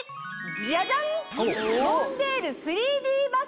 ジャジャン！